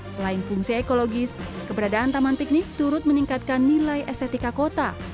selain fungsi ekologis keberadaan taman piknik turut meningkatkan nilai estetika kota